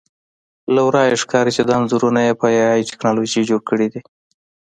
له ورایه ښکاري چې دا انځورونه یې په اې ائ ټکنالوژي جوړ کړي دي